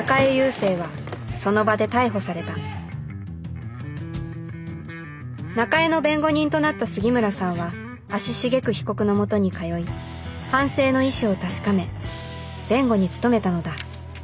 聖はその場で逮捕された中江の弁護人となった杉村さんは足しげく被告のもとに通い反省の意思を確かめ弁護に努めたのだ